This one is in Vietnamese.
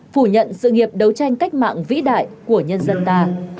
phủ nhận sự nghiệp đấu tranh cách mạng vĩ đại của nhân dân ta